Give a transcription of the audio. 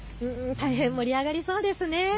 大変、盛り上がりそうですね。